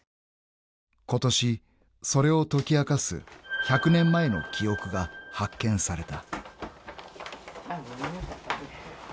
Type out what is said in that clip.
［今年それを解き明かす１００年前の記憶が発見された］